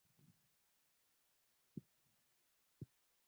Walikuwa na mizinga nne na bunduki na mabomu